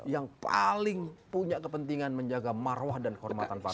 yang paling punya kepentingan menjaga marwah dan kehormatan bangsa